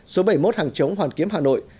số bảy mươi một hàng chống hoàn kiếm hà nội